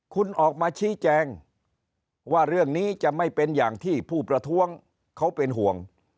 คุณออกมาชี้แจงว่าเรื่องนี้จะไม่เป็นอย่างที่ผู้ประท้วงเขาเป็นห่วง